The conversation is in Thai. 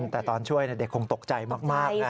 แต่ตอนช่วยเด็กคงตกใจมากนะ